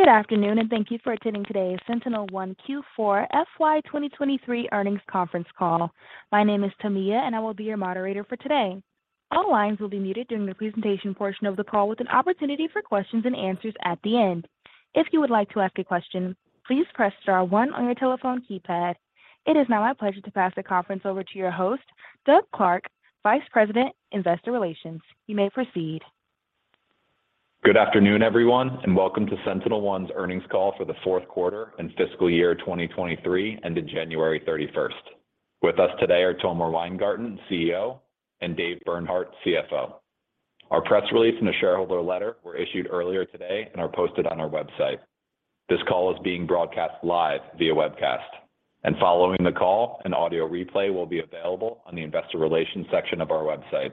Good afternoon and thank you for attending today's SentinelOne Q4 FY 2023 Earnings Conference Call. My name is Tamia, and I will be your moderator for today. All lines will be muted during the presentation portion of the call with an opportunity for questions and answers at the end. If you would like to ask a question, please press star one on your telephone keypad. It is now my pleasure to pass the conference over to your host, Doug Clark, Vice President, Investor Relations. You may proceed. Good afternoon, everyone, and welcome to SentinelOne's earnings call for the Q4 and fiscal year 2023 ended January 31. With us today are Tomer Weingarten, CEO, and Dave Bernhardt, CFO. Our press release and a shareholder letter were issued earlier today and are posted on our website. This call is being broadcast live via webcast. Following the call, an audio replay will be available on the Investor Relations section of our website.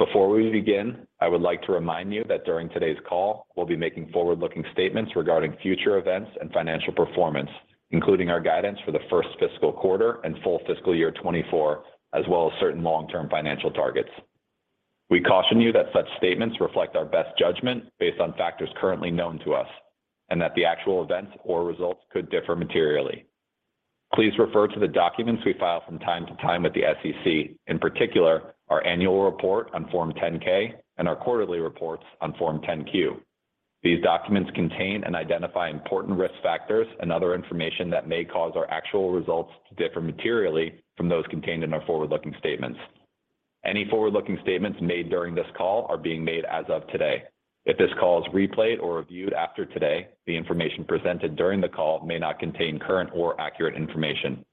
Before we begin, I would like to remind you that during today's call, we'll be making forward-looking statements regarding future events and financial performance, including our guidance for the first fiscal quarter and full fiscal year 2024, as well as certain long-term financial targets. We caution you that such statements reflect our best judgment based on factors currently known to us, and that the actual events or results could differ materially. Please refer to the documents we file from time to time with the SEC, in particular, our annual report on Form 10-K and our quarterly reports on Form 10-Q. These documents contain and identify important risk factors and other information that may cause our actual results to differ materially from those contained in our forward-looking statements. Any forward-looking statements made during this call are being made as of today. If this call is replayed or reviewed after today, the information presented during the call may not contain current or accurate information.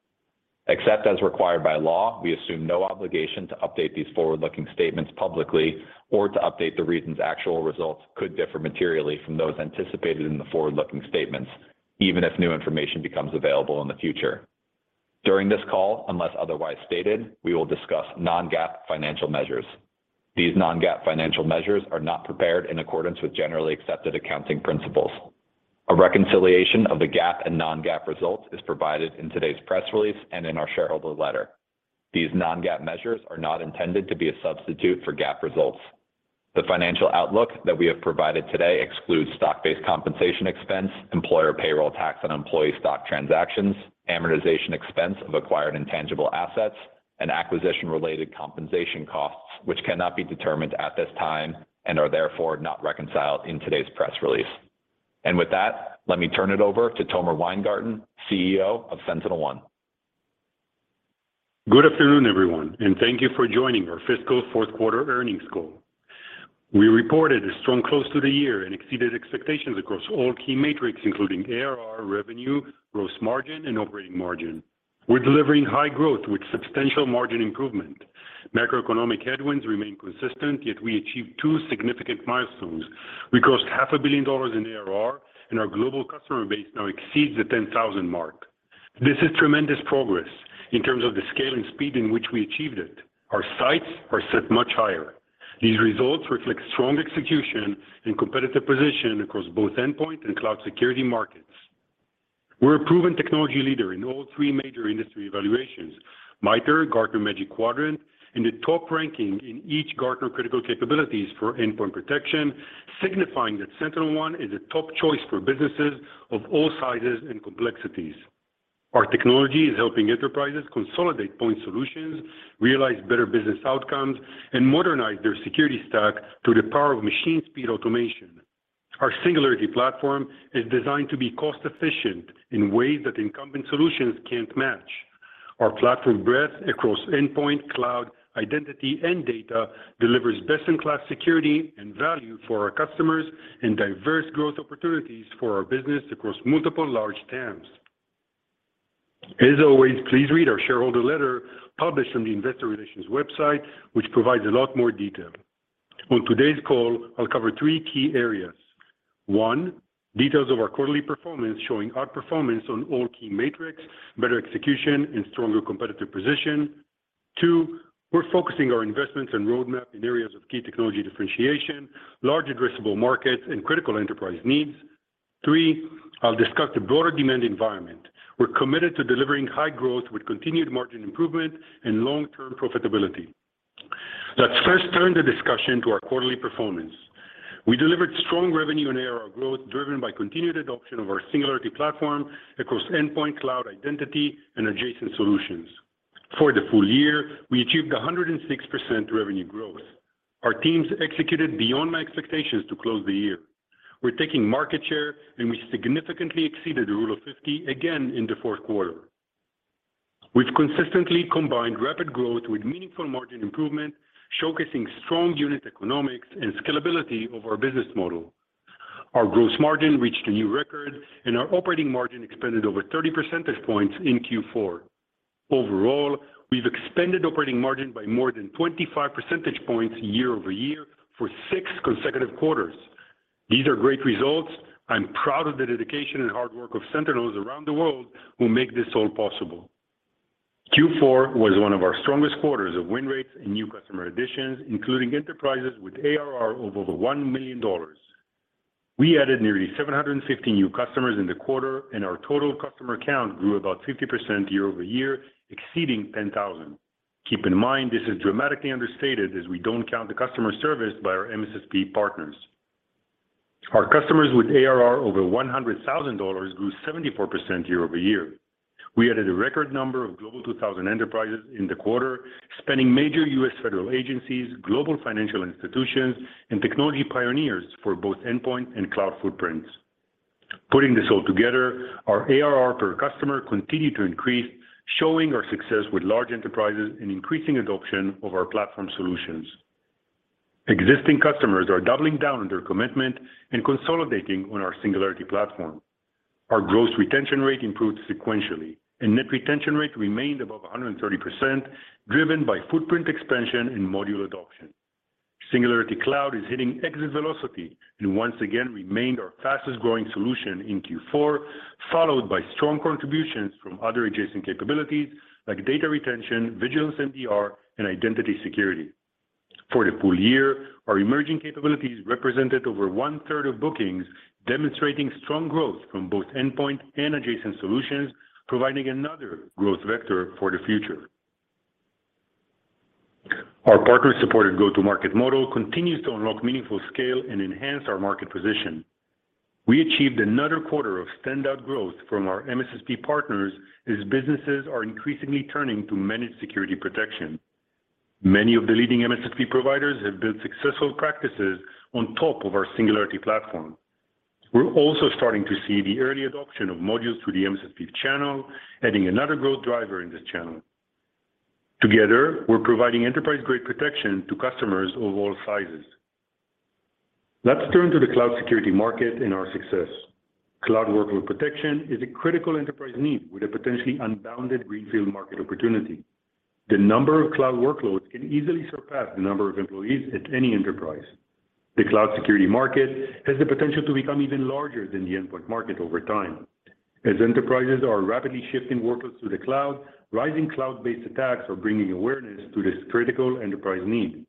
Except as required by law, we assume no obligation to update these forward-looking statements publicly or to update the reasons actual results could differ materially from those anticipated in the forward-looking statements, even if new information becomes available in the future. During this call, unless otherwise stated, we will discuss non-GAAP financial measures. These non-GAAP financial measures are not prepared in accordance with generally accepted accounting principles. A reconciliation of the GAAP and non-GAAP results is provided in today's press release and in our shareholder letter. These non-GAAP measures are not intended to be a substitute for GAAP results. The financial outlook that we have provided today excludes stock-based compensation expense, employer payroll tax on employee stock transactions, amortization expense of acquired intangible assets, and acquisition-related compensation costs, which cannot be determined at this time and are therefore not reconciled in today's press release. With that, let me turn it over to Tomer Weingarten, CEO of SentinelOne. Good afternoon, everyone, and thank you for joining our fiscal Q4 earnings call. We reported a strong close to the year and exceeded expectations across all key metrics, including ARR, revenue, gross margin, and operating margin. We're delivering high growth with substantial margin improvement. Macroeconomic headwinds remain consistent, yet we achieved two significant milestones. We crossed half a billion dollars in ARR, and our global customer base now exceeds the 10,000 marks. This is tremendous progress in terms of the scale and speed in which we achieved it. Our sights are set much higher. These results reflect strong execution and competitive position across both endpoint and cloud security markets. We're a proven technology leader in all three major industry evaluations, MITRE, Gartner Magic Quadrant, and the top ranking in each Gartner Critical Capabilities for endpoint protection, signifying that SentinelOne is a top choice for businesses of all sizes and complexities. Our technology is helping enterprises consolidate point solutions, realize better business outcomes, and modernize their security stack through the power of machine speed automation. Our Singularity Platform is designed to be cost-efficient in ways that incumbent solutions can't match. Our platform breadth across endpoint, cloud, identity, and data delivers best-in-class security and value for our customers and diverse growth opportunities for our business across multiple large TAMs. As always, please read our shareholder letter published on the Investor Relations website, which provides a lot more detail. On today's call, I'll cover three key areas. One, details of our quarterly performance, showing outperformance on all key metrics, better execution, and stronger competitive position. Two, we're focusing our investments and roadmap in areas of key technology differentiation, large addressable markets, and critical enterprise needs. Three, I'll discuss the broader demand environment. We're committed to delivering high growth with continued margin improvement and long-term profitability. Let's first turn the discussion to our quarterly performance. We delivered strong revenue and ARR growth driven by continued adoption of our Singularity Platform across endpoint, cloud, identity, and adjacent solutions. For the full year, we achieved 106% revenue growth. Our teams executed beyond my expectations to close the year. We're taking market share, and we significantly exceeded the Rule of 50 again in the Q4. We've consistently combined rapid growth with meaningful margin improvement, showcasing strong unit economics and scalability of our business model. Our gross margin reached a new record, and our operating margin expanded over 30 percentage points in Q4. Overall, we've expanded operating margin by more than 25 percentage points year-over-year for six consecutive quarters. These are great results. I'm proud of the dedication and hard work of Sentinels around the world who make this all possible. Q4 was one of our strongest quarters of win rates and new customer additions, including enterprises with ARR over $1 million. We added nearly 750 new customers in the quarter, and our total customer count grew about 50% year-over-year, exceeding 10,000. Keep in mind, this is dramatically understated as we don't count the customer service by our MSSP partners. Our customers with ARR over $100,000 grew 74% year-over-year. We added a record number of Global 2000 enterprises in the quarter, spanning major U.S. federal agencies, global financial institutions, and technology pioneers for both endpoint and cloud footprints. Putting this all together, our ARR per customer continued to increase, showing our success with large enterprises and increasing adoption of our platform solutions. Existing customers are doubling down on their commitment and consolidating on our Singularity Platform. Our gross retention rate improved sequentially, and net retention rate remained above 130%, driven by footprint expansion and module adoption. Singularity Cloud is hitting exit velocity and once again remained our fastest-growing solution in Q4, followed by strong contributions from other adjacent capabilities like data retention, Vigilance MDR, and identity security. For the full year, our emerging capabilities represented over one-third of bookings, demonstrating strong growth from both endpoint and adjacent solutions, providing another growth vector for the future. Our partner-supported go-to-market model continues to unlock meaningful scale and enhance our market position. We achieved another quarter of standout growth from our MSSP partners as businesses are increasingly turning to managed security protection. Many of the leading MSSP providers have built successful practices on top of our Singularity Platform. We're also starting to see the early adoption of modules through the MSSP channel, adding another growth driver in this channel. Together, we're providing enterprise-grade protection to customers of all sizes. Let's turn to the cloud security market and our success. Cloud workload protection is a critical enterprise need with a potentially unbounded greenfield market opportunity. The number of cloud workloads can easily surpass the number of employees at any enterprise. The cloud security market has the potential to become even larger than the endpoint market over time. As enterprises are rapidly shifting workloads to the cloud, rising cloud-based attacks are bringing awareness to this critical enterprise need.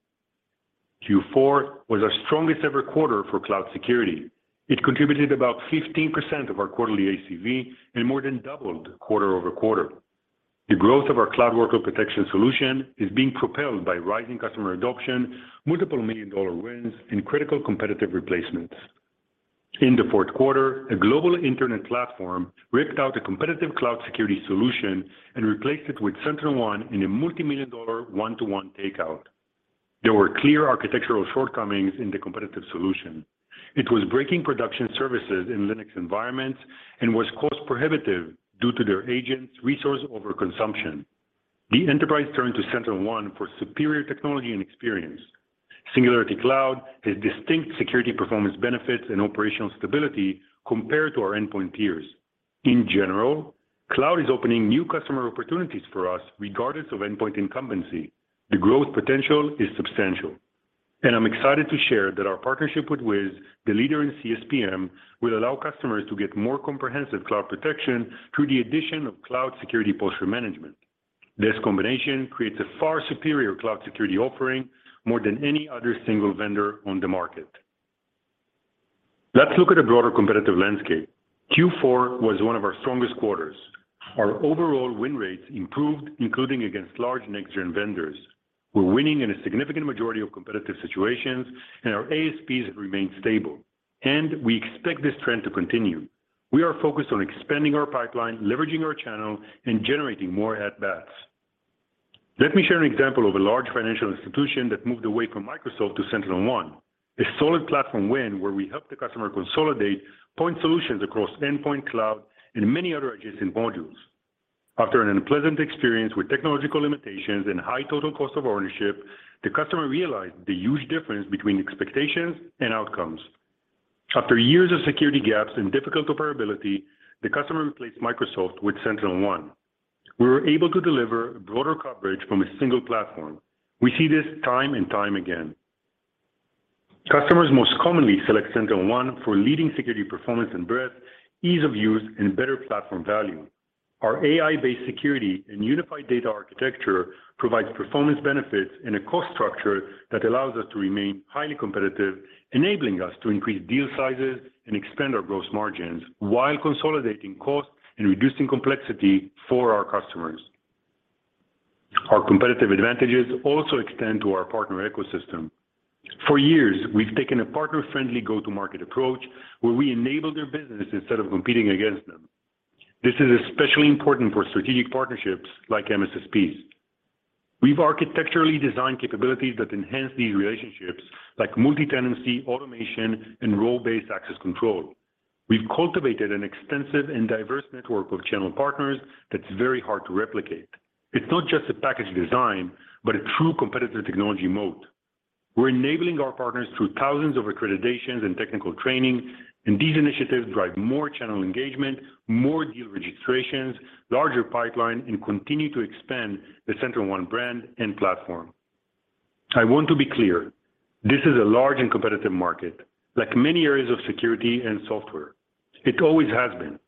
Q4 was our strongest ever quarter for cloud security. It contributed about 15% of our quarterly ACV and more than doubled quarter-over-quarter. The growth of our cloud workload protection solution is being propelled by rising customer adoption, multiple million-dollar wins, and critical competitive replacements. In the Q4, a global internet platform ripped out a competitive cloud security solution and replaced it with SentinelOne in a multi-million dollar one-to-one takeout. There were clear architectural shortcomings in the competitive solution. It was breaking production services in Linux environments and was cost prohibitive due to their agents' resource overconsumption. The enterprise turned to SentinelOne for superior technology and experience. Singularity Cloud has distinct security performance benefits and operational stability compared to our endpoint peers. In general, cloud is opening new customer opportunities for us regardless of endpoint incumbency. The growth potential is substantial. I'm excited to share that our partnership with Wiz, the leader in CSPM, will allow customers to get more comprehensive cloud protection through the addition of cloud security posture management. This combination creates a far superior cloud security offering, more than any other single vendor on the market. Let's look at a broader competitive landscape. Q4 was one of our strongest quarters. Our overall win rates improved, including against large next-gen vendors. We're winning in a significant majority of competitive situations, and our ASPs have remained stable, and we expect this trend to continue. We are focused on expanding our pipeline, leveraging our channel, and generating more at-bats. Let me share an example of a large financial institution that moved away from Microsoft to SentinelOne, a solid platform win where we helped the customer consolidate point solutions across endpoint, cloud, and many other adjacent modules. After an unpleasant experience with technological limitations and high total cost of ownership, the customer realized the huge difference between expectations and outcomes. After years of security gaps and difficult operability, the customer replaced Microsoft with SentinelOne. We were able to deliver broader coverage from a single platform. We see this time and time again. Customers most commonly select SentinelOne for leading security performance and breadth, ease of use, and better platform value. Our AI-based security and unified data architecture provides performance benefits and a cost structure that allows us to remain highly competitive, enabling us to increase deal sizes and expand our gross margins while consolidating costs and reducing complexity for our customers. Our competitive advantages also extend to our partner ecosystem. For years, we've taken a partner-friendly go-to-market approach where we enable their business instead of competing against them. This is especially important for strategic partnerships like MSSPs. We've architecturally designed capabilities that enhance these relationships like multi-tenancy, automation, and role-based access control. We've cultivated an extensive and diverse network of channel partners that's very hard to replicate. It's not just a package design, but a true competitive technology moat. We're enabling our partners through thousands of accreditations and technical training, and these initiatives drive more channel engagement, more deal registrations, larger pipeline, and continue to expand the SentinelOne brand and platform. I want to be clear, this is a large and competitive market, like many areas of security and software. It always has been.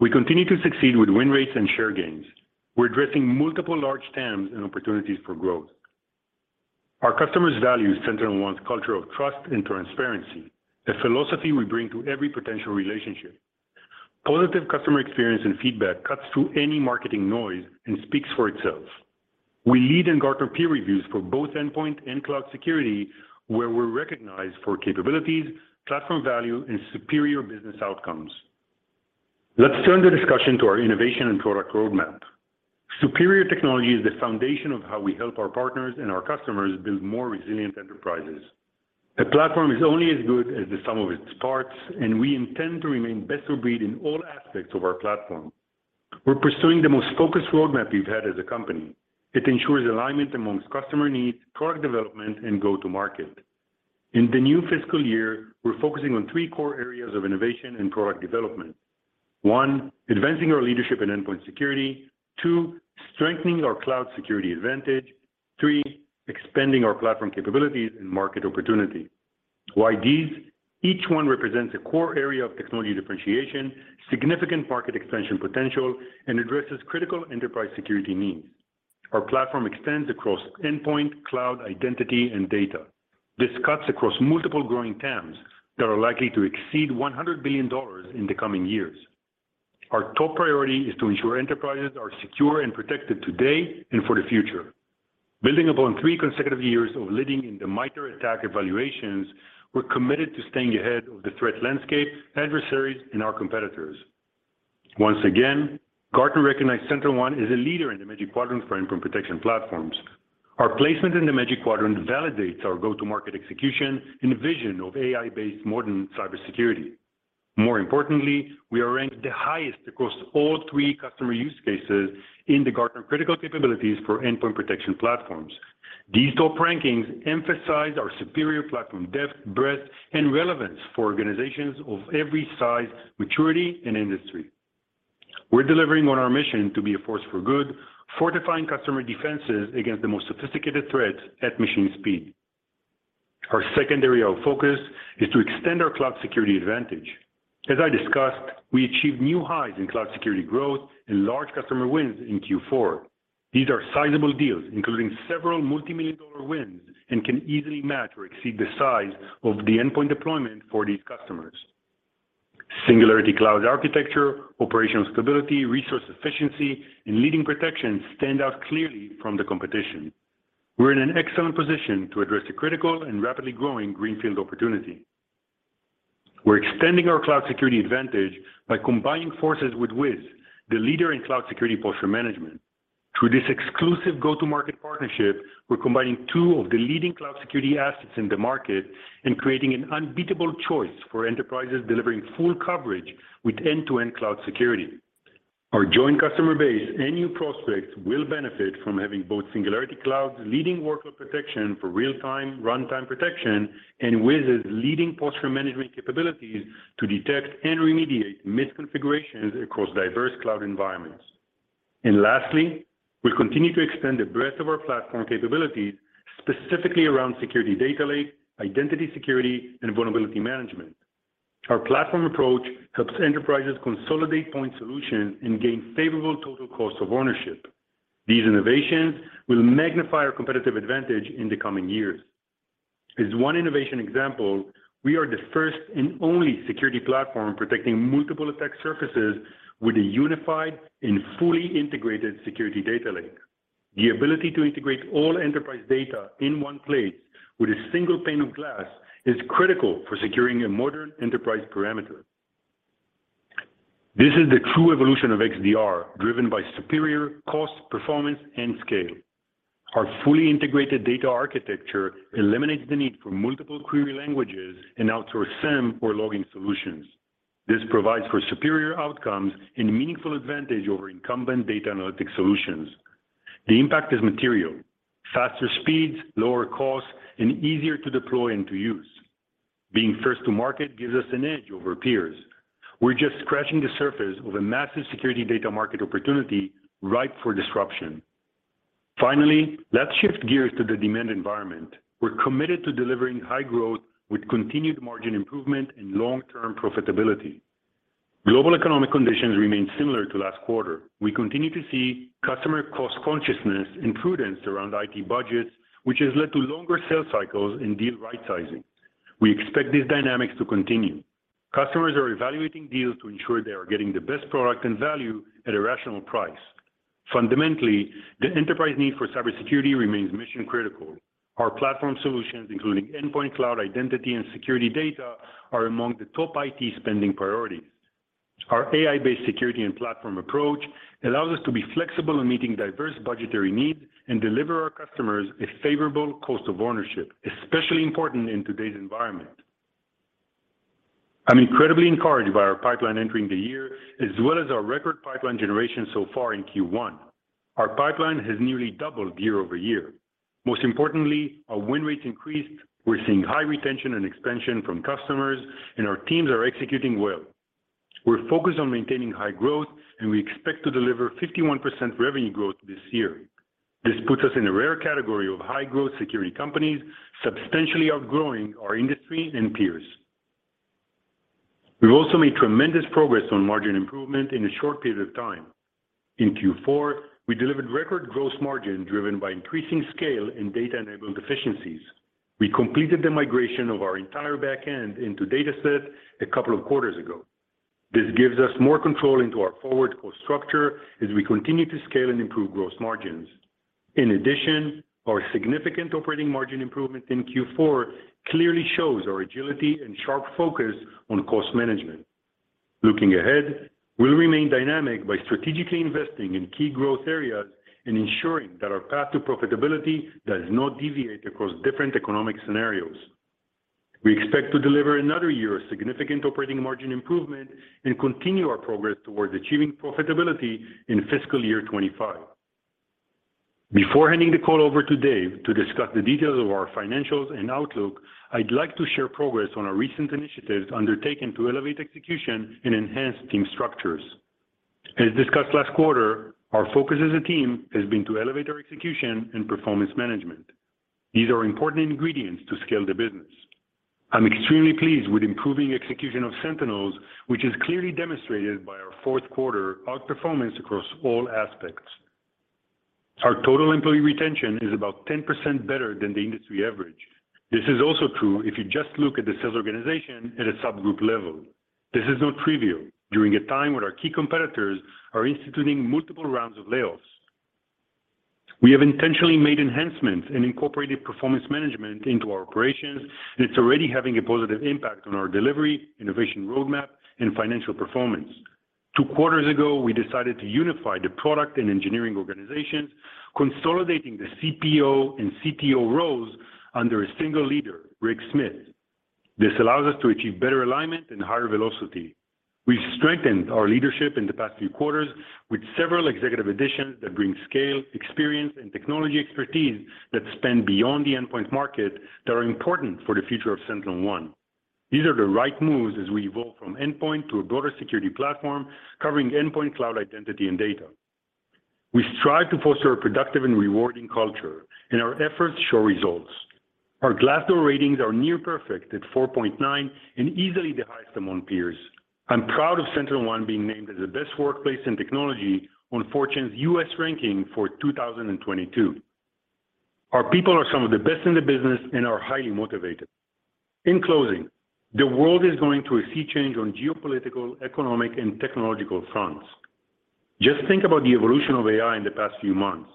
We continue to succeed with win rates and share gains. We're addressing multiple large TAMs and opportunities for growth. Our customers' values center on one's culture of trust and transparency, a philosophy we bring to every potential relationship. Positive customer experience and feedback cuts through any marketing noise and speaks for itself. We lead in Gartner Peer Reviews for both endpoint and cloud security, where we're recognized for capabilities, platform value, and superior business outcomes. Let's turn the discussion to our innovation and product roadmap. Superior technology is the foundation of how we help our partners and our customers build more resilient enterprises. A platform is only as good as the sum of its parts, and we intend to remain best-of-breed in all aspects of our platform. We're pursuing the most focused roadmap we've had as a company. It ensures alignment amongst customer needs, product development, and go-to-market. In the new fiscal year, we're focusing on three core areas of innovation and product development. One, advancing our leadership in endpoint security. Two, strengthening our cloud security advantage. Three, expanding our platform capabilities and market opportunity. Why these? Each one represents a core area of technology differentiation, significant market expansion potential, and addresses critical enterprise security needs. Our platform extends across endpoint, cloud, identity, and data. This cuts across multiple growing TAMs that are likely to exceed $100 billion in the coming years. Our top priority is to ensure enterprises are secure and protected today and for the future. Building upon three consecutive years of leading in the MITRE ATT&CK evaluations, we're committed to staying ahead of the threat landscape, adversaries, and our competitors. Once again, Gartner recognized SentinelOne as a leader in the Magic Quadrant for Endpoint Protection Platforms. Our placement in the Magic Quadrant validates our go-to-market execution and vision of AI-based modern cybersecurity. More importantly, we are ranked the highest across all three customer use cases in the Gartner critical capabilities for endpoint protection platforms. These top rankings emphasize our superior platform depth, breadth, and relevance for organizations of every size, maturity, and industry. We're delivering on our mission to be a force for good, fortifying customer defenses against the most sophisticated threats at machine speed. Our secondary focus is to extend our cloud security advantage. As I discussed, we achieved new highs in cloud security growth and large customer wins in Q4. These are sizable deals, including several multimillion-dollar wins, and can easily match or exceed the size of the endpoint deployment for these customers. Singularity Cloud's architecture, operational stability, resource efficiency, and leading protection stand out clearly from the competition. We're in an excellent position to address the critical and rapidly growing greenfield opportunity. We're extending our cloud security advantage by combining forces with Wiz, the leader in cloud security posture management. Through this exclusive go-to-market partnership, we're combining two of the leading cloud security assets in the market and creating an unbeatable choice for enterprises delivering full coverage with end-to-end cloud security. Our joint customer base and new prospects will benefit from having both Singularity Cloud's leading workload protection for real-time, runtime protection and Wiz's leading posture management capabilities to detect and remediate misconfigurations across diverse cloud environments. Lastly, we continue to extend the breadth of our platform capabilities, specifically around security data lake, identity security, and vulnerability management. Our platform approach helps enterprises consolidate point solutions and gain favorable total cost of ownership. These innovations will magnify our competitive advantage in the coming years. As one innovation example, we are the first and only security platform protecting multiple attack surfaces with a unified and fully integrated security data lake. The ability to integrate all enterprise data in one place with a single pane of glass is critical for securing a modern enterprise perimeter. This is the true evolution of XDR, driven by superior cost, performance, and scale. Our fully integrated data architecture eliminates the need for multiple query languages and outsource SIEM or logging solutions. This provides for superior outcomes and meaningful advantage over incumbent data analytics solutions. The impact is material. Faster speeds, lower costs, and easier to deploy and to use. Being first to market gives us an edge over peers. We're just scratching the surface of a massive security data market opportunity ripe for disruption. Let's shift gears to the demand environment. We're committed to delivering high growth with continued margin improvement and long-term profitability. Global economic conditions remain similar to last quarter. We continue to see customer cost consciousness and prudence around IT budgets, which has led to longer sales cycles and deal right-sizing. We expect these dynamics to continue. Customers are evaluating deals to ensure they are getting the best product and value at a rational price. Fundamentally, the enterprise need for cybersecurity remains mission critical. Our platform solutions, including endpoint, cloud, identity, and security data, are among the top IT spending priorities. Our AI-based security and platform approach allows us to be flexible in meeting diverse budgetary needs and deliver our customers a favorable cost of ownership, especially important in today's environment. I'm incredibly encouraged by our pipeline entering the year, as well as our record pipeline generation so far in Q1. Our pipeline has nearly doubled year-over-year. Most importantly, our win rates increased. We're seeing high retention and expansion from customers, and our teams are executing well. We're focused on maintaining high growth, and we expect to deliver 51% revenue growth this year. This puts us in a rare category of high-growth security companies, substantially outgrowing our industry and peers. We've also made tremendous progress on margin improvement in a short period of time. In Q4, we delivered record gross margin driven by increasing scale in data-enabled efficiencies. We completed the migration of our entire back end into DataSet a couple of quarters ago. This gives us more control into our forward cost structure as we continue to scale and improve gross margins. In addition, our significant operating margin improvement in Q4 clearly shows our agility and sharp focus on cost management. Looking ahead, we'll remain dynamic by strategically investing in key growth areas and ensuring that our path to profitability does not deviate across different economic scenarios. We expect to deliver another year of significant operating margin improvement and continue our progress towards achieving profitability in fiscal year 2025. Before handing the call over to Dave to discuss the details of our financials and outlook, I'd like to share progress on our recent initiatives undertaken to elevate execution and enhance team structures. As discussed last quarter, our focus as a team has been to elevate our execution and performance management. These are important ingredients to scale the business. I'm extremely pleased with improving execution of SentinelOne's, which is clearly demonstrated by our Q4 outperformance across all aspects. Our total employee retention is about 10% better than the industry average. This is also true if you just look at the sales organization at a subgroup level. This is not trivial. During a time when our key competitors are instituting multiple rounds of layoffs, we have intentionally made enhancements and incorporated performance management into our operations. It's already having a positive impact on our delivery, innovation roadmap, and financial performance. Two quarters ago, we decided to unify the product and engineering organizations, consolidating the CPO and CTO roles under a single leader, Ric Smith. This allows us to achieve better alignment and higher velocity. We've strengthened our leadership in the past few quarters with several executive additions that bring scale, experience, and technology expertise that span beyond the endpoint market that are important for the future of SentinelOne. These are the right moves as we evolve from endpoint to a broader security platform covering endpoint, cloud, identity, and data. We strive to foster a productive and rewarding culture. Our efforts show results. Our Glassdoor ratings are near perfect at 4.9 and easily the highest among peers. I'm proud of SentinelOne being named as the best workplace in technology on Fortune's U.S. ranking for 2022. Our people are some of the best in the business and are highly motivated. In closing, the world is going through a sea change on geopolitical, economic, and technological fronts. Just think about the evolution of AI in the past few months.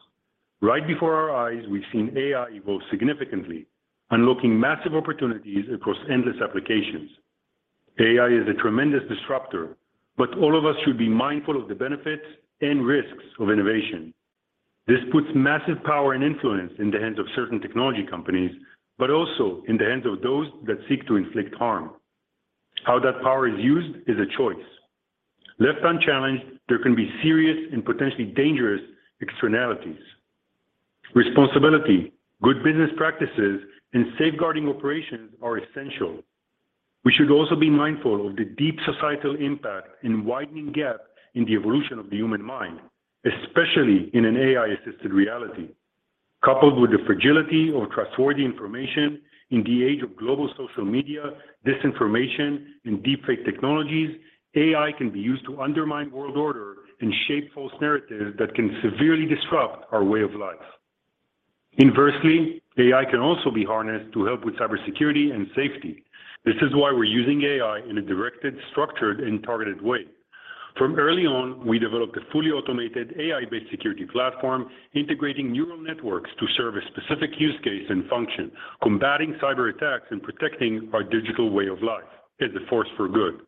Right before our eyes, we've seen AI evolve significantly, unlocking massive opportunities across endless applications. All of us should be mindful of the benefits and risks of innovation. This puts massive power and influence in the hands of certain technology companies, but also in the hands of those that seek to inflict harm. How that power is used is a choice. Left unchallenged, there can be serious and potentially dangerous externalities. Responsibility, good business practices, and safeguarding operations are essential. We should also be mindful of the deep societal impact and widening gap in the evolution of the human mind, especially in an AI-assisted reality. Coupled with the fragility of trustworthy information in the age of global social media, disinformation, and deepfake technologies, AI can be used to undermine world order and shape false narratives that can severely disrupt our way of life. Inversely, AI can also be harnessed to help with cybersecurity and safety. This is why we're using AI in a directed, structured, and targeted way. From early on, we developed a fully automated AI-based security platform, integrating neural networks to serve a specific use case and function, combating cyberattacks and protecting our digital way of life as a force for good.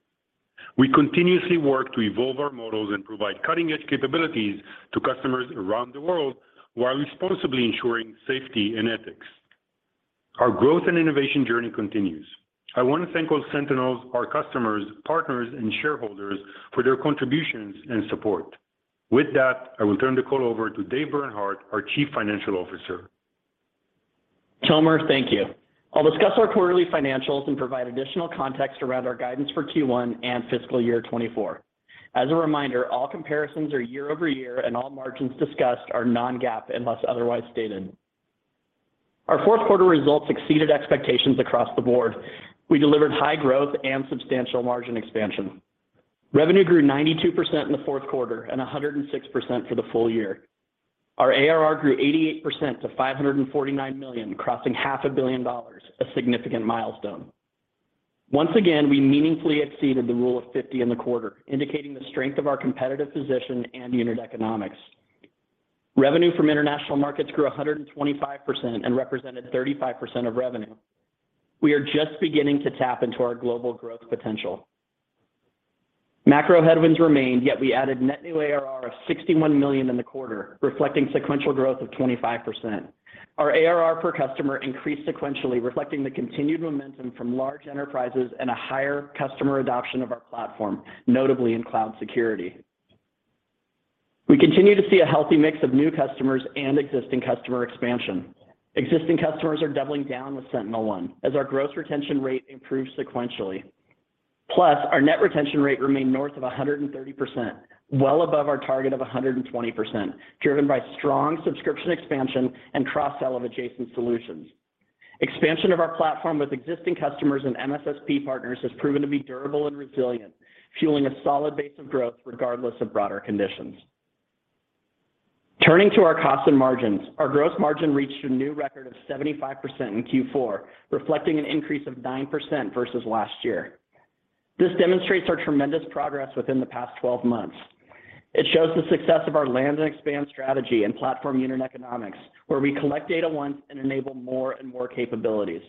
We continuously work to evolve our models and provide cutting-edge capabilities to customers around the world while responsibly ensuring safety and ethics. Our growth and innovation journey continues. I want to thank all Sentinels, our customers, partners, and shareholders for their contributions and support. With that, I will turn the call over to Dave Bernhardt, our Chief Financial Officer. Tomer, thank you. I'll discuss our quarterly financials and provide additional context around our guidance for Q1 and fiscal year 2024. As a reminder, all comparisons are year-over-year and all margins discussed are non-GAAP unless otherwise stated. Our Q4 results exceeded expectations across the board. We delivered high growth and substantial margin expansion. Revenue grew 92% in the Q4 and 106% for the full year. Our ARR grew 88% to $549 million, crossing half a billion dollars, a significant milestone. Once again, we meaningfully exceeded the Rule of 50 in the quarter, indicating the strength of our competitive position and unit economics. Revenue from international markets grew 125% and represented 35% of revenue. We are just beginning to tap into our global growth potential. Macro headwinds remained, we added net new ARR of $61 million in the quarter, reflecting sequential growth of 25%. Our ARR per customer increased sequentially, reflecting the continued momentum from large enterprises and a higher customer adoption of our platform, notably in cloud security. We continue to see a healthy mix of new customers and existing customer expansion. Existing customers are doubling down with SentinelOne as our gross retention rate improves sequentially. Our net retention rate remained north of 130%, well above our target of 120%, driven by strong subscription expansion and cross-sell of adjacent solutions. Expansion of our platform with existing customers and MSSP partners has proven to be durable and resilient, fueling a solid base of growth regardless of broader conditions. Turning to our costs and margins. Our gross margin reached a new record of 75% in Q4, reflecting an increase of 9% versus last year. This demonstrates our tremendous progress within the past 12 months. It shows the success of our land and expand strategy and platform unit economics, where we collect data once and enable more and more capabilities.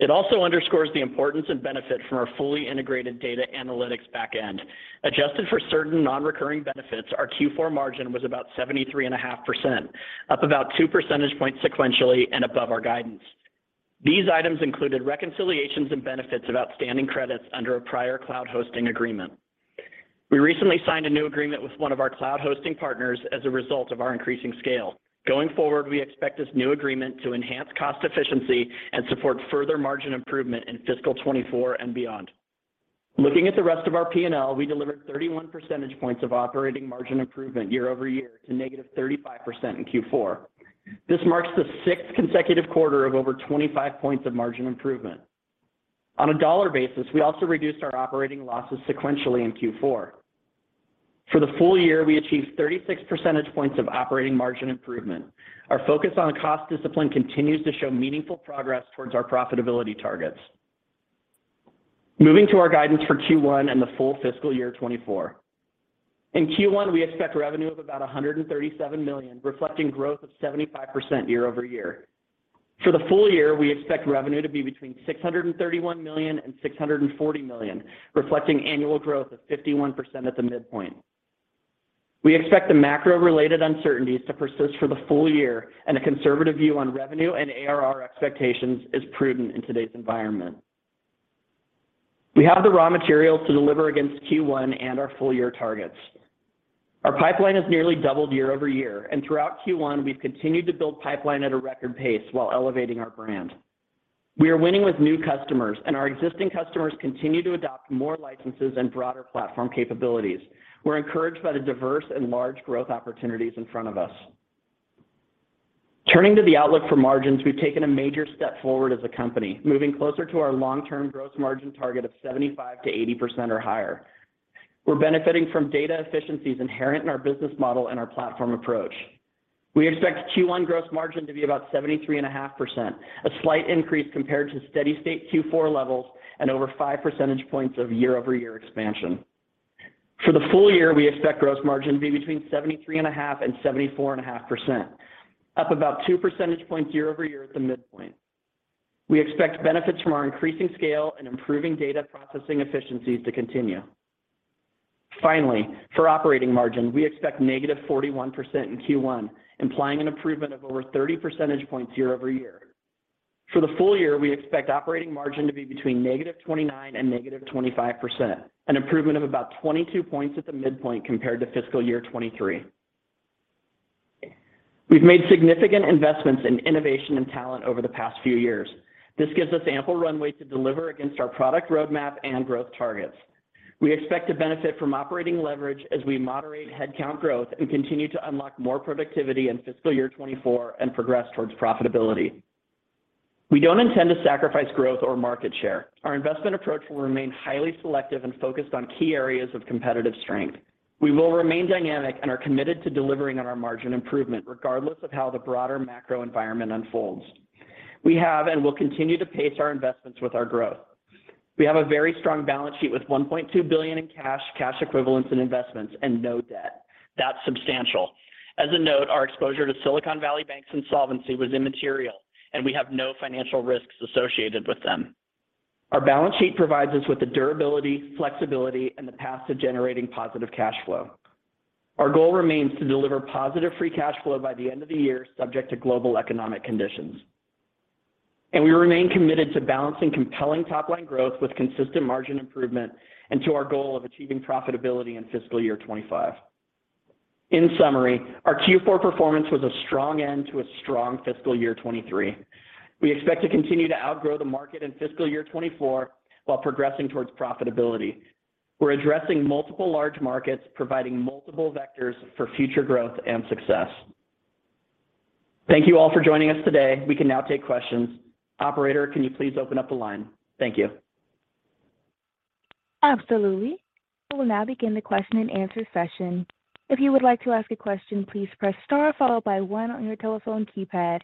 It also underscores the importance and benefit from our fully integrated data analytics back end. Adjusted for certain non-recurring benefits, our Q4 margin was about 73.5%, up about 2 percentage points sequentially and above our guidance. These items included reconciliations and benefits of outstanding credits under a prior cloud hosting agreement. We recently signed a new agreement with one of our cloud hosting partners as a result of our increasing scale. Going forward, we expect this new agreement to enhance cost efficiency and support further margin improvement in fiscal 2024 and beyond. Looking at the rest of our P&L, we delivered 31 percentage points of operating margin improvement year-over-year to negative 35% in Q4. This marks the sixth consecutive quarter of over 25 points of margin improvement. On a dollar basis, we also reduced our operating losses sequentially in Q4. For the full year, we achieved 36 percentage points of operating margin improvement. Our focus on cost discipline continues to show meaningful progress towards our profitability targets. Moving to our guidance for Q1 and the full fiscal year 2024. In Q1, we expect revenue of about $137 million, reflecting growth of 75% year-over-year. For the full year, we expect revenue to be between $631 million and $640 million, reflecting annual growth of 51% at the midpoint. We expect the macro-related uncertainties to persist for the full year, and a conservative view on revenue and ARR expectations is prudent in today's environment. We have the raw materials to deliver against Q1 and our full year targets. Our pipeline has nearly doubled year-over-year, and throughout Q1, we've continued to build pipeline at a record pace while elevating our brand. We are winning with new customers, and our existing customers continue to adopt more licenses and broader platform capabilities. We're encouraged by the diverse and large growth opportunities in front of us. Turning to the outlook for margins, we've taken a major step forward as a company, moving closer to our long-term gross margin target of 75%-80% or higher. We're benefiting from data efficiencies inherent in our business model and our platform approach. We expect Q1 gross margin to be about 73.5%, a slight increase compared to steady-state Q4 levels and over 5 percentage points of year-over-year expansion. For the full year, we expect gross margin to be between 73.5% and 74.5%, up about 2 percentage points year-over-year at the midpoint. We expect benefits from our increasing scale and improving data processing efficiencies to continue. Finally, for operating margin, we expect -41% in Q1, implying an improvement of over 30 percentage points year-over-year. For the full year, we expect operating margin to be between negative 29% and negative 25%, an improvement of about 22 points at the midpoint compared to fiscal year 2023. We've made significant investments in innovation and talent over the past few years. This gives us ample runway to deliver against our product roadmap and growth targets. We expect to benefit from operating leverage as we moderate headcount growth and continue to unlock more productivity in fiscal year 2024 and progress towards profitability. We don't intend to sacrifice growth or market share. Our investment approach will remain highly selective and focused on key areas of competitive strength. We will remain dynamic and are committed to delivering on our margin improvement regardless of how the broader macro environment unfolds. We have and will continue to pace our investments with our growth. We have a very strong balance sheet with $1.2 billion in cash equivalents and investments and no debt. That's substantial. As a note, our exposure to Silicon Valley Bank's insolvency was immaterial, and we have no financial risks associated with them. Our balance sheet provides us with the durability, flexibility and the path to generating positive cash flow. Our goal remains to deliver positive free cash flow by the end of the year, subject to global economic conditions. We remain committed to balancing compelling top-line growth with consistent margin improvement and to our goal of achieving profitability in fiscal year 2025. In summary, our Q4 performance was a strong end to a strong fiscal year 2023. We expect to continue to outgrow the market in fiscal year 2024 while progressing towards profitability. We're addressing multiple large markets, providing multiple vectors for future growth and success. Thank you all for joining us today. We can now take questions. Operator, can you please open up the line? Thank you. Absolutely. We will now begin the question-and-answer session. If you would like to ask a question, please press star followed by one on your telephone keypad.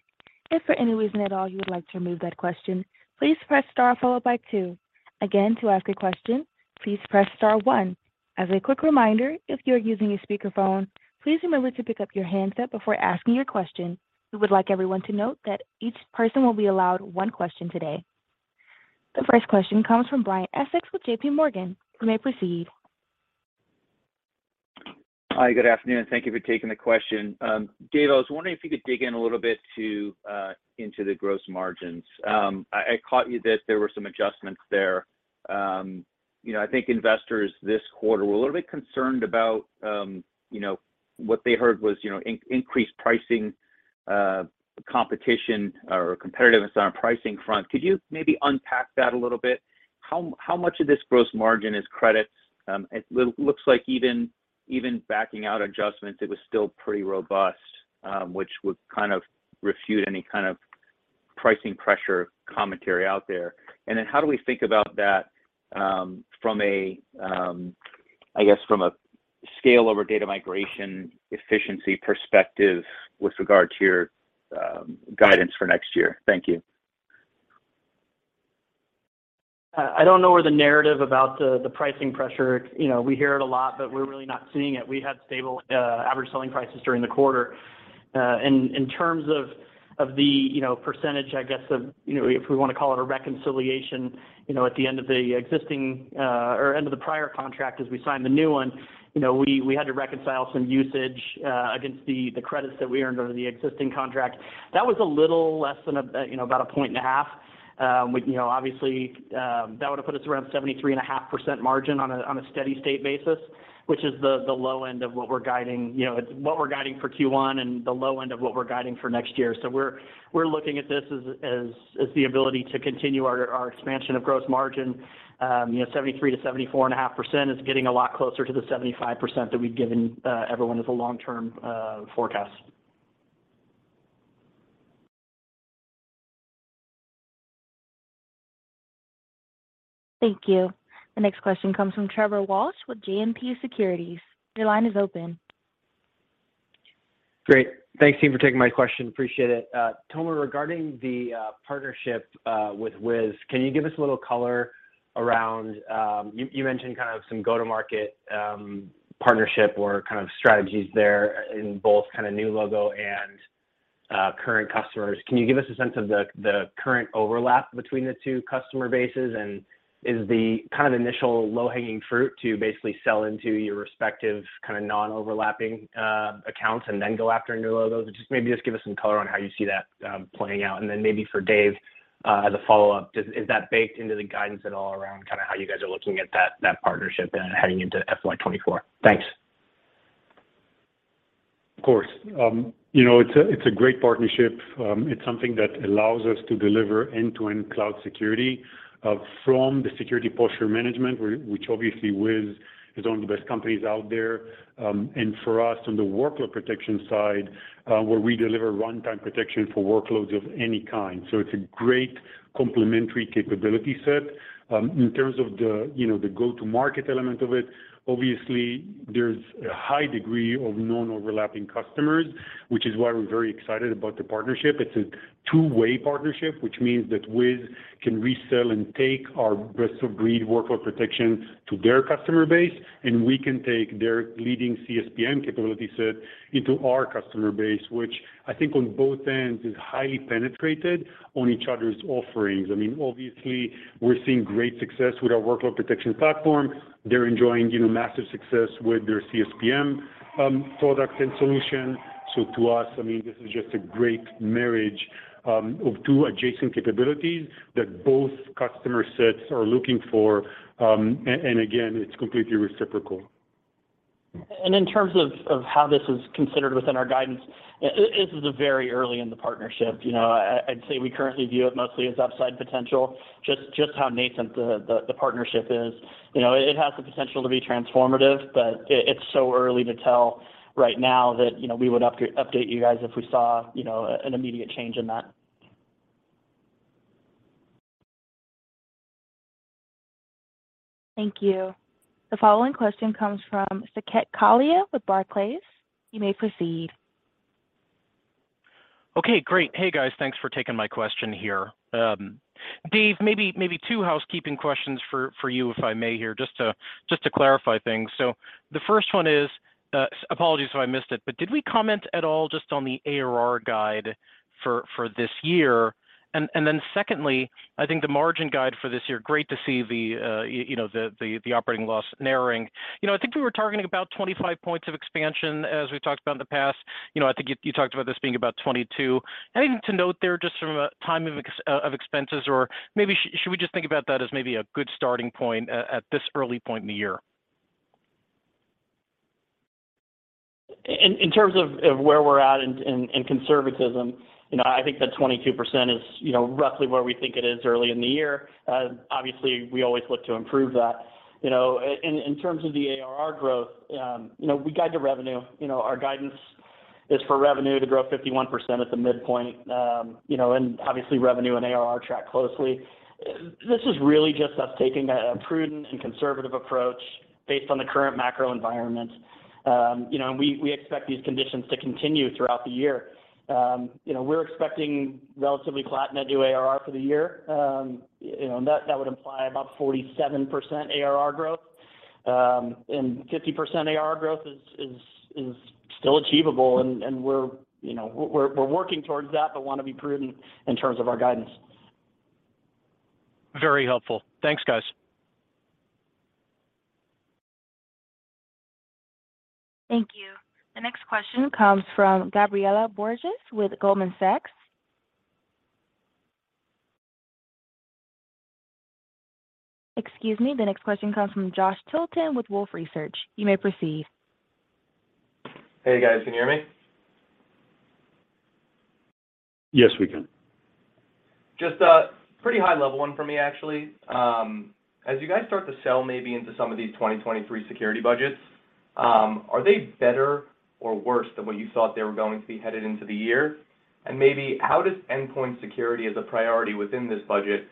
If for any reason at all you would like to remove that question, please press star followed by two. Again, to ask a question, please press star one. As a quick reminder, if you are using a speakerphone, please remember to pick up your handset before asking your question. We would like everyone to note that each person will be allowed one question today. The first question comes from Brian Essex with JPMorgan. You may proceed. Hi. Good afternoon. Thank you for taking the question. Dave, I was wondering if you could dig in a little bit to into the gross margins. I caught you that there were some adjustments there. You know, I think investors this quarter were a little bit concerned about, you know, what they heard was, you know, increased pricing, competition or competitiveness on a pricing front. Could you maybe unpack that a little bit? How much of this gross margin is credits? It looks like even. Even backing out adjustments, it was still pretty robust, which would kind of refute any kind of pricing pressure commentary out there. How do we think about that, from a, I guess from a scale over data migration efficiency perspective with regard to your, guidance for next year? Thank you. I don't know where the narrative about the pricing pressure. You know, we hear it a lot, but we're really not seeing it. We had stable average selling prices during the quarter. In terms of the, you know, percentage, I guess, of, you know, if we wanna call it a reconciliation, you know, at the end of the existing or end of the prior contract as we signed the new one, you know, we had to reconcile some usage against the credits that we earned under the existing contract. That was a little less than a, you know, about 1.5 points. We, you know, obviously, that would have put us around 73.5% margin on a steady state basis, which is the low end of what we're guiding, you know, it's what we're guiding for Q1 and the low end of what we're guiding for next year. We're looking at this as the ability to continue our expansion of gross margin. You know, 73%-74.5% is getting a lot closer to the 75% that we've given everyone as a long-term forecast. Thank you. The next question comes from Trevor Walsh with JMP Securities. Your line is open. Great. Thanks, team, for taking my question. Appreciate it. Tomer, regarding the partnership with Wiz, can you give us a little color around You mentioned kind of some go-to-market partnership or kind of strategies there in both kind of new logo and current customers? Can you give us a sense of the current overlap between the two customer bases? Is the kind of initial low-hanging fruit to basically sell into your respective kind of non-overlapping accounts and then go after new logos? Just maybe just give us some color on how you see that playing out. Maybe for Dave, as a follow-up, is that baked into the guidance at all around kind of how you guys are looking at that partnership and heading into FY 2024? Thanks. Of course. You know, it's a great partnership. It's something that allows us to deliver end-to-end cloud security, from the security posture management, which obviously Wiz is one of the best companies out there. For us on the workload protection side, where we deliver runtime protection for workloads of any kind. It's a great complementary capability set. In terms of the, you know, the go-to-market element of it, obviously there's a high degree of non-overlapping customers, which is why we're very excited about the partnership. It's a two-way partnership, which means that Wiz can resell and take our best of breed workload protection to their customer base, and we can take their leading CSPM capability set into our customer base, which I think on both ends is highly penetrated on each other's offerings. I mean, obviously, we're seeing great success with our workload protection platform. They're enjoying, you know, massive success with their CSPM products and solutions. To us, I mean, this is just a great marriage of two adjacent capabilities that both customer sets are looking for. Again, it's completely reciprocal. In terms of how this is considered within our guidance, it is very early in the partnership. You know, I'd say we currently view it mostly as upside potential, just how nascent the partnership is. You know, it has the potential to be transformative, but it's so early to tell right now that, you know, we would update you guys if we saw, you know, an immediate change in that. Thank you. The following question comes from Saket Kalia with Barclays. You may proceed. Okay, great. Hey, guys. Thanks for taking my question here. Dave, maybe two housekeeping questions for you, if I may here, just to clarify things. The first one is, apologies if I missed it, but did we comment at all just on the ARR guide for this year? Then secondly, I think the margin guide for this year, great to see the, you know, the operating loss narrowing. You know, I think we were targeting about 25 points of expansion as we've talked about in the past. You know, I think you talked about this being about 22. Anything to note there just from a timing of expenses? Or maybe should we just think about that as maybe a good starting point at this early point in the year? In terms of where we're at and conservatism, you know, I think that 22% is, you know, roughly where we think it is early in the year. Obviously, we always look to improve that. You know, in terms of the ARR growth, you know, we guide the revenue. You know, our guidance is for revenue to grow 51% at the midpoint. You know, and obviously revenue and ARR track closely. This is really just us taking a prudent and conservative approach based on the current macro environment. You know, and we expect these conditions to continue throughout the year. You know, we're expecting relatively flat net new ARR for the year. You know, that would imply about 47% ARR growth. 50% ARR growth is still achievable and we're, you know, we're working towards that, but wanna be prudent in terms of our guidance. Very helpful. Thanks, guys. Thank you. The next question comes from Gabriela Borges with Goldman Sachs. Excuse me. The next question comes from Josh Tilton with Wolfe Research. You may proceed. Hey, guys. Can you hear me? Yes, we can. Just a pretty high level one for me, actually. As you guys start to sell maybe into some of these 2023 security budgets, are they better or worse than what you thought they were going to be headed into the year? Maybe how does endpoint security as a priority within this budget,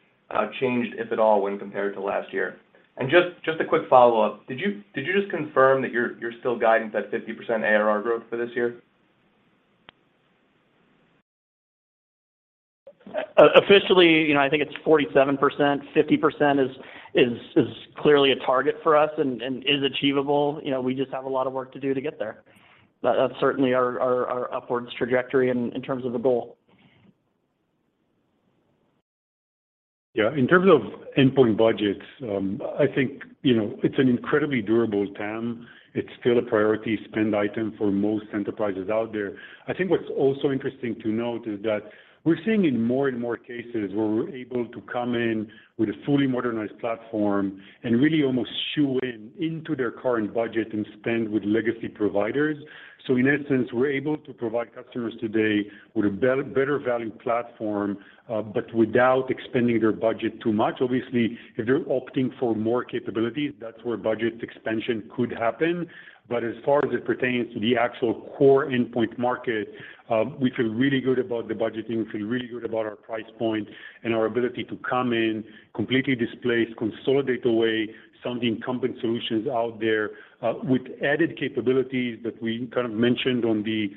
changed, if at all, when compared to last year? Just a quick follow-up. Did you just confirm that you're still guiding that 50% ARR growth for this year? Officially, you know, I think it's 47%. 50% is clearly a target for us and is achievable. You know, we just have a lot of work to do to get there. That's certainly our upwards trajectory in terms of the goal. In terms of endpoint budgets, I think, you know, it's an incredibly durable TAM. It's still a priority spend item for most enterprises out there. I think what's also interesting to note is that we're seeing in more and more cases where we're able to come in with a fully modernized platform and really almost shoo-in into their current budget and spend with legacy providers. In essence, we're able to provide customers today with a better value platform, but without expanding their budget too much. Obviously, if they're opting for more capabilities, that's where budget expansion could happen. As far as it pertains to the actual core endpoint market, we feel really good about the budgeting. We feel really good about our price point and our ability to come in, completely displace, consolidate away some of the incumbent solutions out there, with added capabilities that we kind of mentioned on the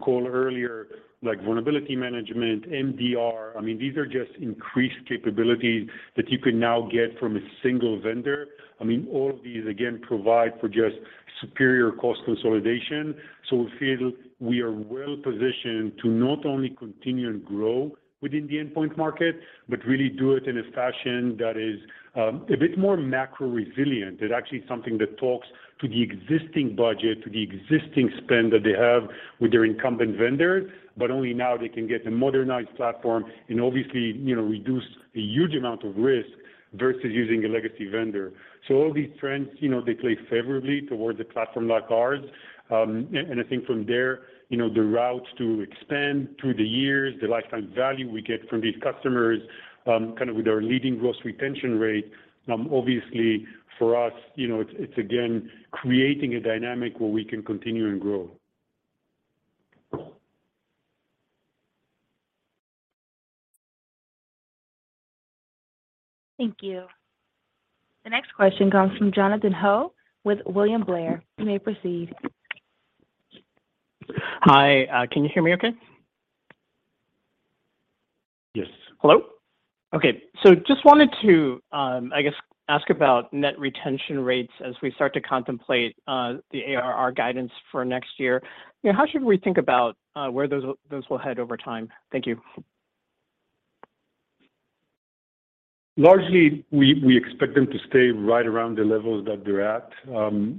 call earlier, like vulnerability management, MDR. I mean, these are just increased capabilities that you can now get from a single vendor. I mean, all of these again, provide for just superior cost consolidation. We feel we are well positioned to not only continue to grow within the endpoint market, but really do it in a fashion that is a bit more macro resilient. It's actually something that talks to the existing budget, to the existing spend that they have with their incumbent vendors, but only now they can get a modernized platform and obviously, you know, reduce a huge amount of risk versus using a legacy vendor. All these trends, you know, they play favorably towards a platform like ours. I think from there, you know, the routes to expand through the years, the lifetime value we get from these customers, kind of with our leading gross retention rate, obviously for us, you know, it's again creating a dynamic where we can continue and grow. Thank you. The next question comes from Jonathan Ho with William Blair. You may proceed. Hi, can you hear me okay? Yes. Hello. Okay. Just wanted to, I guess, ask about net retention rates as we start to contemplate, the ARR guidance for next year. You know, how should we think about, where those will head over time? Thank you. Largely, we expect them to stay right around the levels that they're at.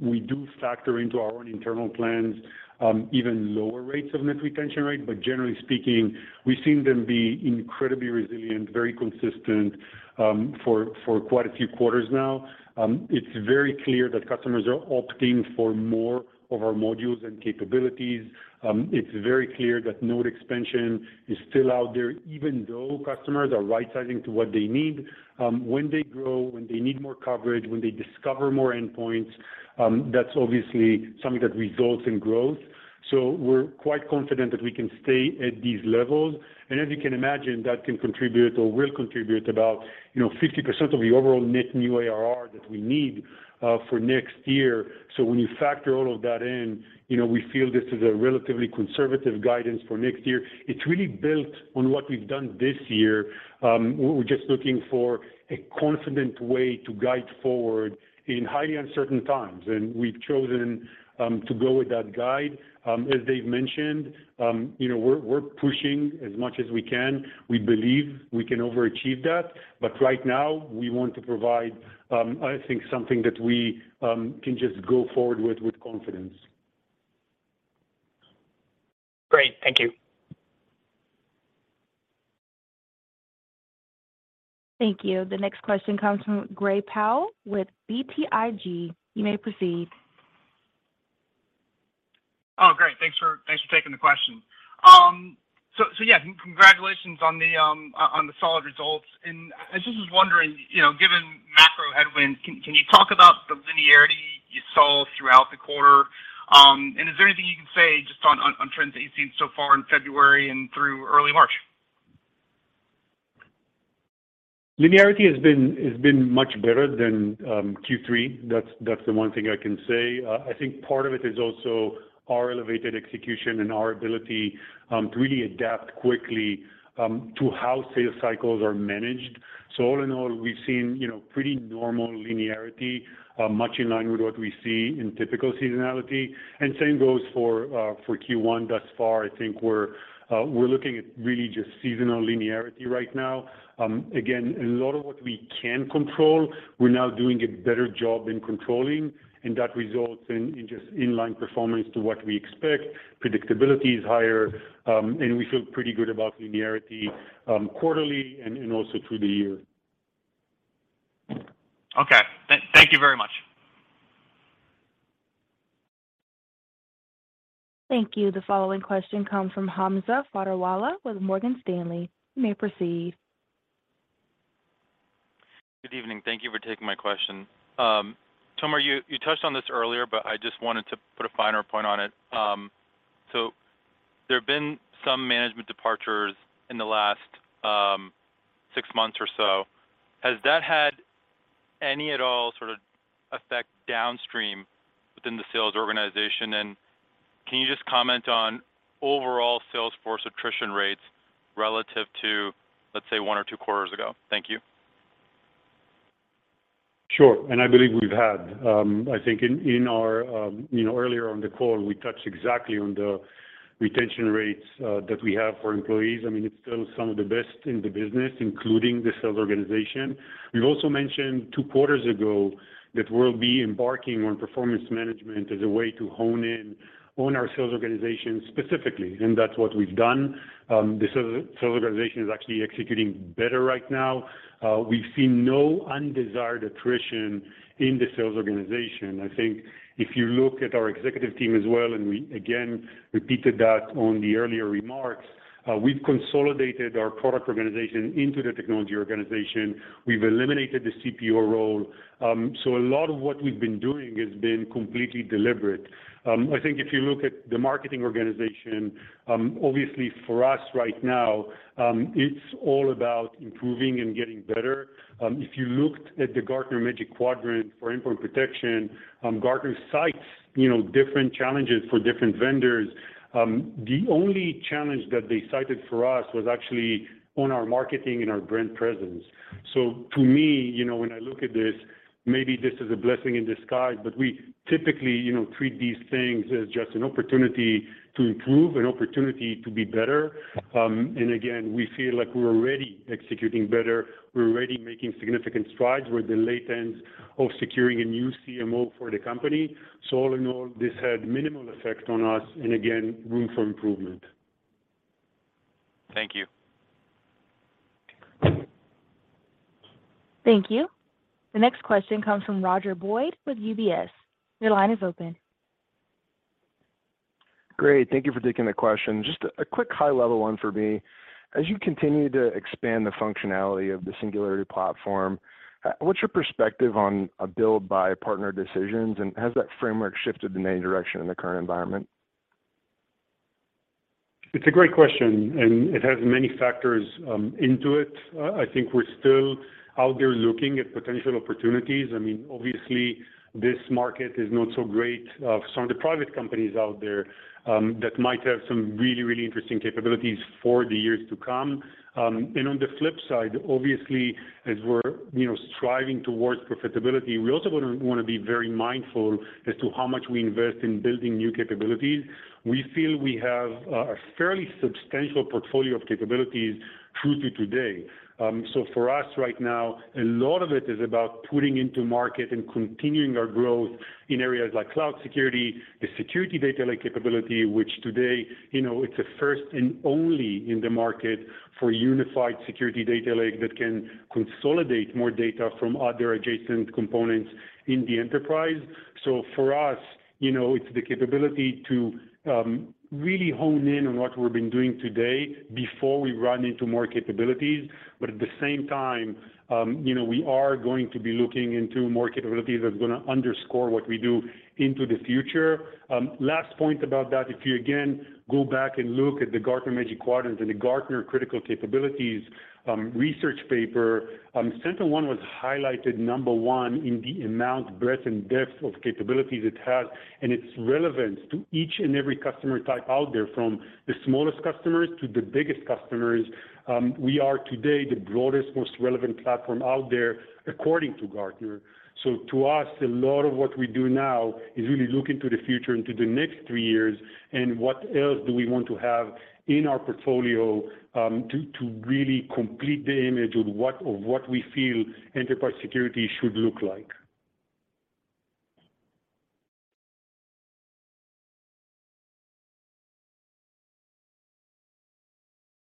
We do factor into our own internal plans, even lower rates of net retention rate. Generally speaking, we've seen them be incredibly resilient, very consistent, for quite a few quarters now. It's very clear that customers are opting for more of our modules and capabilities. It's very clear that node expansion is still out there, even though customers are right-sizing to what they need, when they grow, when they need more coverage, when they discover more endpoints, that's obviously something that results in growth. So we're quite confident that we can stay at these levels. As you can imagine, that can contribute or will contribute about, you know, 50% of the overall net new ARR that we need, for next year. When you factor all of that in, you know, we feel this is a relatively conservative guidance for next year. It's really built on what we've done this year. We're just looking for a confident way to guide forward in highly uncertain times, and we've chosen to go with that guide. As Dave mentioned, you know, we're pushing as much as we can. We believe we can overachieve that, but right now we want to provide I think something that we can just go forward with confidence. Great. Thank you. Thank you. The next question comes from Gray Powell with BTIG. You may proceed. Oh, great. Thanks for taking the question. Yeah, congratulations on the solid results. I just was wondering, you know, given macro headwinds, can you talk about the linearity you saw throughout the quarter? Is there anything you can say just on trends that you've seen so far in February and through early March? Linearity has been much better than Q3. That's the one thing I can say. I think part of it is also our elevated execution and our ability to really adapt quickly to how sales cycles are managed. All in all, we've seen, you know, pretty normal linearity, much in line with what we see in typical seasonality. Same goes for Q1 thus far. I think we're looking at really just seasonal linearity right now. Again, a lot of what we can control, we're now doing a better job in controlling, and that results in just in-line performance to what we expect. Predictability is higher, and we feel pretty good about linearity, quarterly and also through the year. Okay. Thank you. The following question comes from Hamza Fodderwala with Morgan Stanley. You may proceed. Good evening. Thank you for taking my question. Tomer, you touched on this earlier, but I just wanted to put a finer point on it. There have been some management departures in the last, six months or so. Has that had any at all sort of effect downstream within the sales organization? Can you just comment on overall sales force attrition rates relative to, let's say, one or two quarters ago? Thank you. Sure. I believe we've had, I think in our, you know, earlier on the call, we touched exactly on the retention rates, that we have for employees. I mean, it's still some of the best in the business, including the sales organization. We've also mentioned two quarters ago that we'll be embarking on performance management as a way to hone in on our sales organization specifically, and that's what we've done. The sales organization is actually executing better right now. We've seen no undesired attrition in the sales organization. I think if you look at our executive team as well. We again repeated that on the earlier remarks, we've consolidated our product organization into the technology organization. We've eliminated the CPO role. A lot of what we've been doing has been completely deliberate. I think if you look at the marketing organization, obviously for us right now, it's all about improving and getting better. If you looked at the Gartner Magic Quadrant for endpoint protection, Gartner cites, you know, different challenges for different vendors. The only challenge that they cited for us was actually on our marketing and our brand presence. To me, you know, when I look at this, maybe this is a blessing in disguise, but we typically, you know, treat these things as just an opportunity to improve, an opportunity to be better. Again, we feel like we're already executing better. We're already making significant strides. We're at the late end of securing a new CMO for the company. All in all, this had minimal effect on us and again, room for improvement. Thank you. Thank you. The next question comes from Roger Boyd with UBS. Your line is open. Great. Thank you for taking the question. Just a quick high-level one for me. As you continue to expand the functionality of the Singularity Platform, what's your perspective on a build buy partner decisions, and has that framework shifted in any direction in the current environment? It's a great question. It has many factors into it. I think we're still out there looking at potential opportunities. I mean, obviously this market is not so great of some of the private companies out there that might have some really interesting capabilities for the years to come. On the flip side, obviously, as we're, you know, striving towards profitability, we also wanna be very mindful as to how much we invest in building new capabilities. We feel we have a fairly substantial portfolio of capabilities true to today. For us right now, a lot of it is about putting into market and continuing our growth in areas like cloud security, the security data lake capability, which today, you know, it's a first and only in the market for unified security data lake that can consolidate more data from other adjacent components in the enterprise. For us, you know, it's the capability to really hone in on what we've been doing today before we run into more capabilities. At the same time, you know, we are going to be looking into more capabilities that's gonna underscore what we do into the future. Last point about that, if you again go back and look at the Gartner Magic Quadrants and the Gartner Critical Capabilities research paper, SentinelOne was highlighted number one in the amount, breadth, and depth of capabilities it has and its relevance to each and every customer type out there, from the smallest customers to the biggest customers. We are today the broadest, most relevant platform out there according to Gartner. To us, a lot of what we do now is really look into the future, into the next three years and what else do we want to have in our portfolio, to really complete the image of what, of what we feel enterprise security should look like.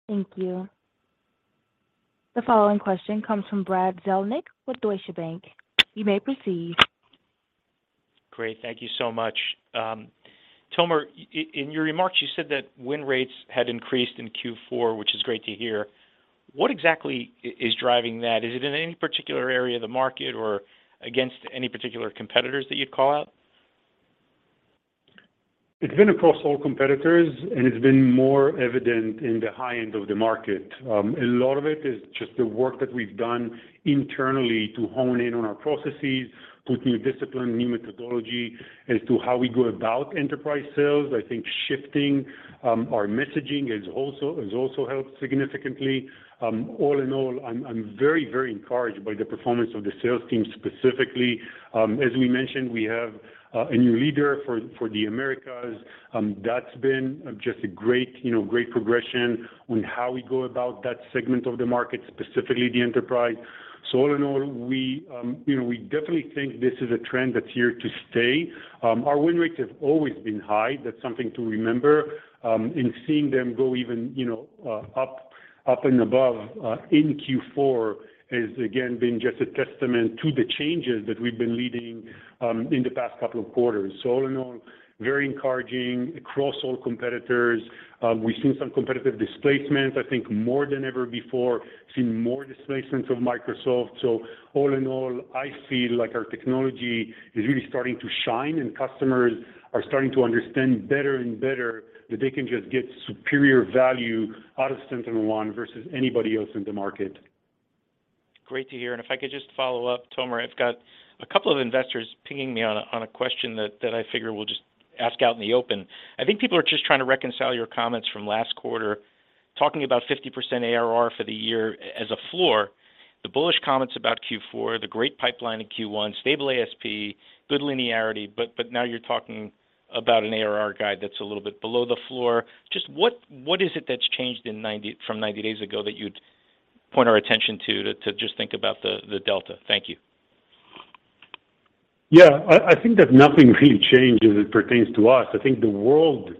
Thank you. The following question comes from Brad Zelnick with Deutsche Bank. You may proceed. Great. Thank you so much. Tomer, in your remarks, you said that win rates had increased in Q4, which is great to hear. What exactly is driving that? Is it in any particular area of the market or against any particular competitors that you'd call out? It's been across all competitors, and it's been more evident in the high end of the market. A lot of it is just the work that we've done internally to hone in on our processes, put new discipline, new methodology as to how we go about enterprise sales. I think shifting our messaging has also helped significantly. All in all, I'm very, very encouraged by the performance of the sales team specifically. As we mentioned, we have a new leader for the Americas. That's been just a great, you know, great progression on how we go about that segment of the market, specifically the enterprise. All in all, we, you know, we definitely think this is a trend that's here to stay. Our win rates have always been high. That's something to remember. And seeing them go even, you know, up and above in Q4 has again been just a testament to the changes that we've been leading in the past couple of quarters. All in all, very encouraging across all competitors. We've seen some competitive displacement, I think, more than ever before, seen more displacements of Microsoft. All in all, I feel like our technology is really starting to shine and customers are starting to understand better and better that they can just get superior value out of SentinelOne versus anybody else in the market. Great to hear. If I could just follow up, Tomer, I've got a couple of investors pinging me on a question that I figure we'll just ask out in the open. I think people are just trying to reconcile your comments from last quarter, talking about 50% ARR for the year as a floor. The bullish comments about Q4, the great pipeline in Q1, stable ASP, good linearity, but now you're talking about an ARR guide that's a little bit below the floor. Just what is it that's changed from 90 days ago that you'd point our attention to just think about the delta? Thank you. Yeah. I think that nothing really changes as it pertains to us. I think the world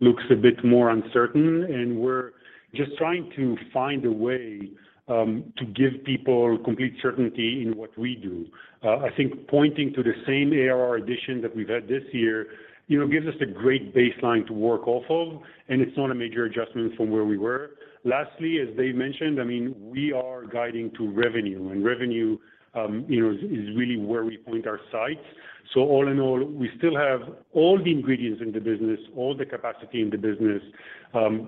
looks a bit more uncertain, and we're just trying to find a way to give people complete certainty in what we do. I think pointing to the same ARR addition that we've had this year, you know, gives us a great baseline to work off of, and it's not a major adjustment from where we were. Lastly, as Dave mentioned, I mean, we are guiding to revenue, and revenue, you know, is really where we point our sights. All in all, we still have all the ingredients in the business, all the capacity in the business,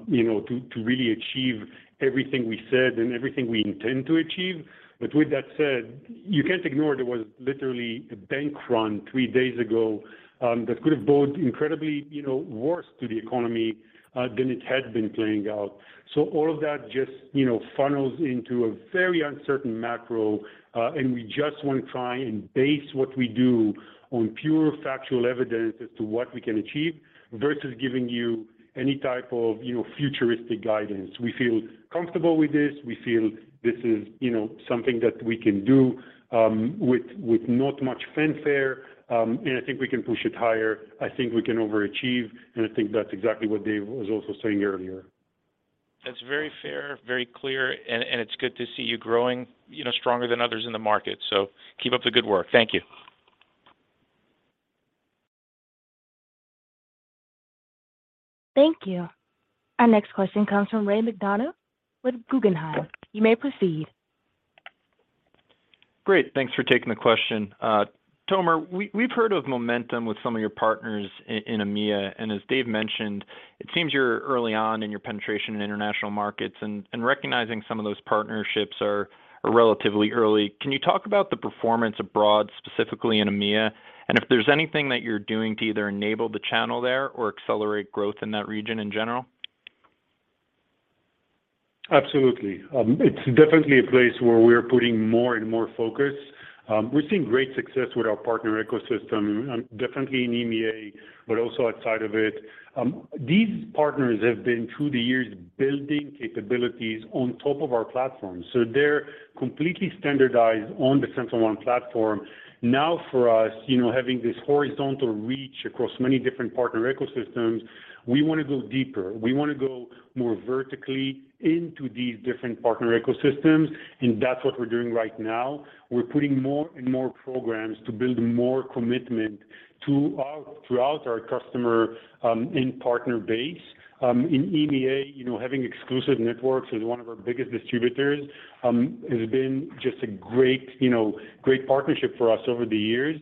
you know, to really achieve everything we said and everything we intend to achieve. With that said, you can't ignore there was literally a bank run three days ago, that could have bode incredibly, you know, worse to the economy, than it had been playing out. All of that just, you know, funnels into a very uncertain macro, and we just want to try and base what we do on pure factual evidence as to what we can achieve versus giving you any type of, you know, futuristic guidance. We feel comfortable with this. We feel this is, you know, something that we can do with not much fanfare. I think we can push it higher. I think we can overachieve, and I think that's exactly what Dave was also saying earlier. That's very fair, very clear, and it's good to see you growing, you know, stronger than others in the market. Keep up the good work. Thank you. Thank you. Our next question comes from Ray McDonough with Guggenheim. You may proceed. Great. Thanks for taking the question. Tomer, we've heard of momentum with some of your partners in EMEA. As Dave mentioned, it seems you're early on in your penetration in international markets and recognizing some of those partnerships are relatively early. Can you talk about the performance abroad, specifically in EMEA? If there's anything that you're doing to either enable the channel there or accelerate growth in that region in general? Absolutely. It's definitely a place where we're putting more and more focus. We're seeing great success with our partner ecosystem, definitely in EMEA, but also outside of it. These partners have been through the years building capabilities on top of our platform. They're completely standardized on the SentinelOne platform. For us, you know, having this horizontal reach across many different partner ecosystems, we wanna go deeper. We wanna go more vertically into these different partner ecosystems, and that's what we're doing right now. We're putting more and more programs to build more commitment throughout our customer and partner base. In EMEA, you know, having Exclusive Networks is one of our biggest distributors. It has been just a great, you know, great partnership for us over the years.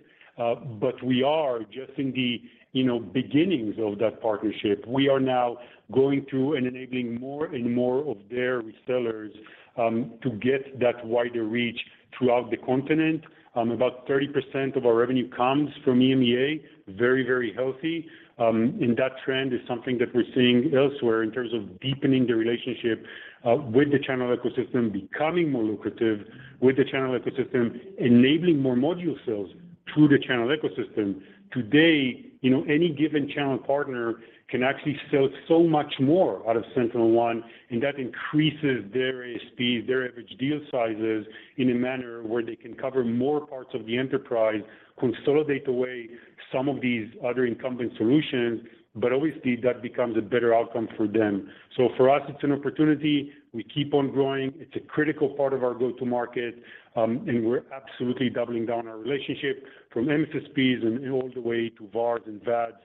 We are just in the, you know, beginnings of that partnership. We are now going through and enabling more and more of their resellers to get that wider reach throughout the continent. About 30% of our revenue comes from EMEA. Very, very healthy. That trend is something that we're seeing elsewhere in terms of deepening the relationship with the channel ecosystem, becoming more lucrative with the channel ecosystem, enabling more module sales through the channel ecosystem. Today, you know, any given channel partner can actually sell so much more out of SentinelOne, that increases their ASP, their average deal sizes in a manner where they can cover more parts of the enterprise, consolidate away some of these other incumbent solutions. Obviously, that becomes a better outcome for them. For us, it's an opportunity. We keep on growing. It's a critical part of our go-to-market, and we're absolutely doubling down our relationship from MSPs and all the way to VARS and VADs,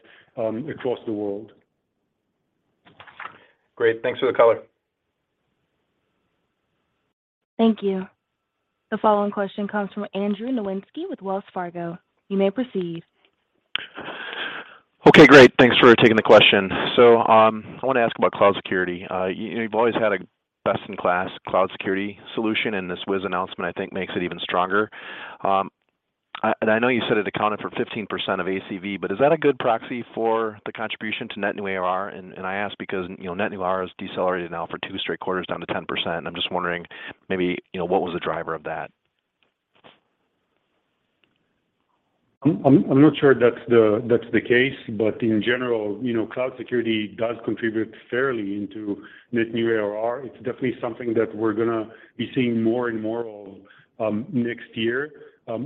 across the world. Great. Thanks for the color. Thank you. The following question comes from Andrew Nowinski with Wells Fargo. You may proceed. Okay, great. Thanks for taking the question. I want to ask about cloud security. You've always had a best-in-class cloud security solution, and this Wiz announcement, I think, makes it even stronger. I know you said it accounted for 15% of ACV, but is that a good proxy for the contribution to net new ARR? I ask because, you know, net new ARR has decelerated now for two straight quarters down to 10%. I'm just wondering, maybe, you know, what was the driver of that? I'm not sure that's the case. In general, you know, cloud security does contribute fairly into net new ARR. It's definitely something that we're gonna be seeing more and more of next year.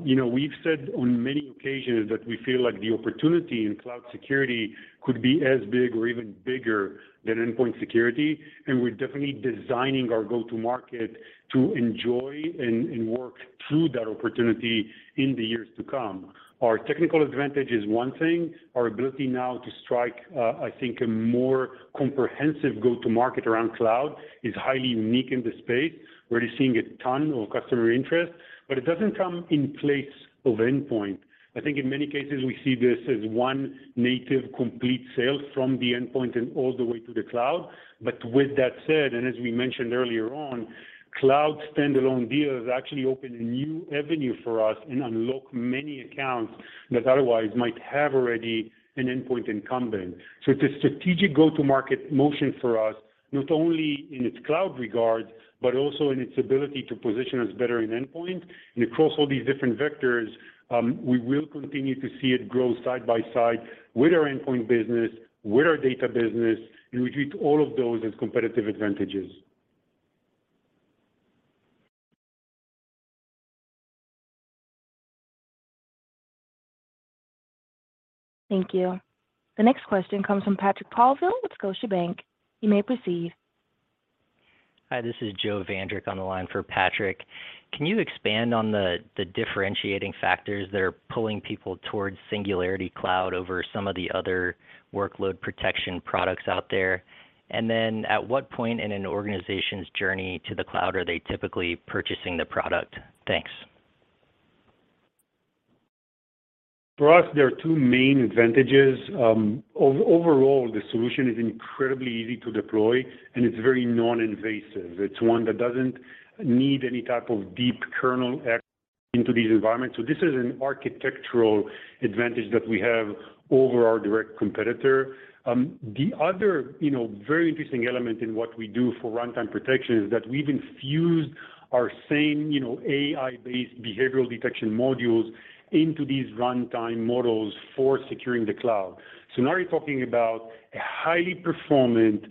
You know, we've said on many occasions that we feel like the opportunity in cloud security could be as big or even bigger than endpoint security. We're definitely designing our go-to-market to enjoy and work through that opportunity in the years to come. Our technical advantage is one thing. Our ability now to strike, I think a more comprehensive go-to-market around cloud is highly unique in the space. We're already seeing a ton of customer interest. It doesn't come in place of endpoint. I think in many cases, we see this as one native complete sale from the endpoint and all the way to the cloud. With that said, and as we mentioned earlier on, cloud standalone deals actually open a new avenue for us and unlock many accounts that otherwise might have already an endpoint incumbent. It's a strategic go-to-market motion for us, not only in its cloud regard, but also in its ability to position us better in endpoint. Across all these different vectors, we will continue to see it grow side by side with our endpoint business, with our data business, and we treat all of those as competitive advantages. Thank you. The next question comes from Patrick Colville with Scotiabank. You may proceed. Hi, this is Joe Vandrick on the line for Patrick. Can you expand on the differentiating factors that are pulling people towards Singularity Cloud over some of the other workload protection products out there? At what point in an organization's journey to the cloud are they typically purchasing the product? Thanks. For us, there are two main advantages. overall, the solution is incredibly easy to deploy, and it's very non-invasive. It's one that doesn't need any type of deep kernel access into these environments. This is an architectural advantage that we have over our direct competitor. The other, you know, very interesting element in what we do for runtime protection is that we've infused our same, you know, AI-based behavioral detection modules into these runtime models for securing the cloud. Now you're talking about a highly performant,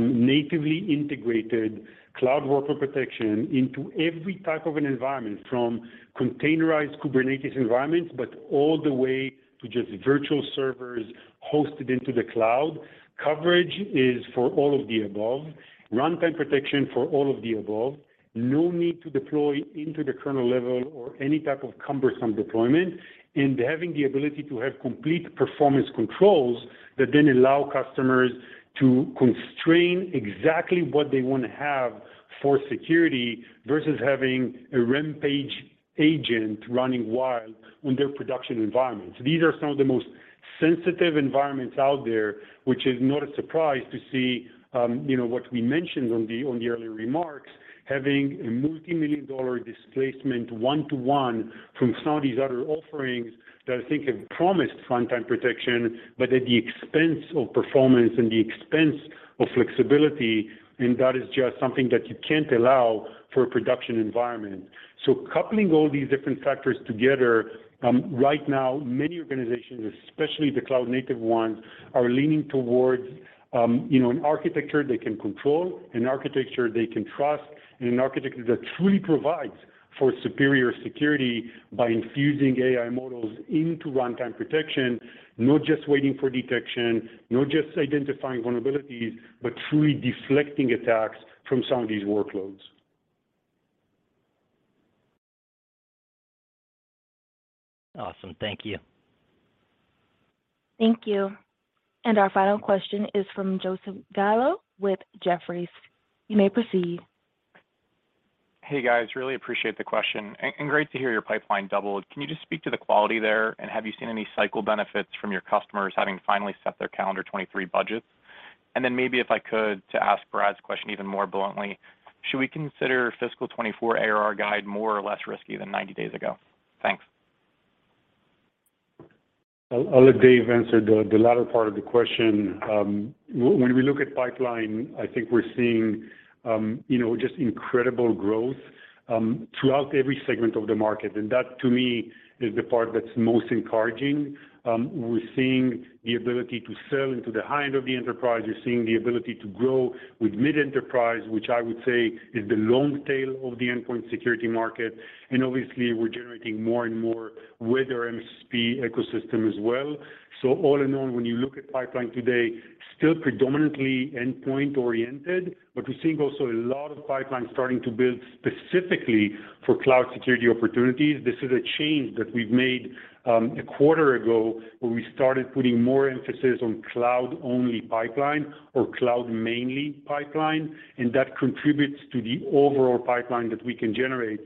natively integrated cloud workload protection into every type of an environment, from containerized Kubernetes environments, but all the way to just virtual servers hosted into the cloud. Coverage is for all of the above. Runtime protection for all of the above. No need to deploy into the kernel level or any type of cumbersome deployment. Having the ability to have complete performance controls that then allow customers to constrain exactly what they want to have for security versus having a rampage agent running wild on their production environment. These are some of the most sensitive environments out there, which is not a surprise to see, you know, what we mentioned on the, on the early remarks, having a multimillion-dollar displacement, one to one, from some of these other offerings that I think have promised runtime protection, but at the expense of performance and the expense of flexibility. That is just something that you can't allow for a production environment. Coupling all these different factors together, right now, many organizations, especially the cloud-native ones, are leaning towards, you know, an architecture they can control, an architecture they can trust, and an architecture that truly provides for superior security by infusing AI models into runtime protection. Not just waiting for detection, not just identifying vulnerabilities, but truly deflecting attacks from some of these workloads. Awesome. Thank you. Thank you. Our final question is from Joseph Gallo with Jefferies. You may proceed. Hey, guys. Really appreciate the question and great to hear your pipeline doubled. Can you just speak to the quality there? Have you seen any cycle benefits from your customers having finally set their calendar 23 budgets? Maybe if I could, to ask Brad's question even more bluntly, should we consider fiscal 24 ARR guide more or less risky than 90 days ago? Thanks. I'll let Dave answer the latter part of the question. When we look at pipeline, I think we're seeing, you know, just incredible growth throughout every segment of the market. That to me is the part that's most encouraging. We're seeing the ability to sell into the high end of the enterprise. We're seeing the ability to grow with mid-enterprise, which I would say is the long tail of the endpoint security market. Obviously, we're generating more and more with our MSP ecosystem as well. All in all, when you look at pipeline today, still predominantly endpoint-oriented, but we're seeing also a lot of pipeline starting to build specifically for cloud security opportunities. This is a change that we've made, a quarter ago, where we started putting more emphasis on cloud-only pipeline or cloud-mainly pipeline, and that contributes to the overall pipeline that we can generate.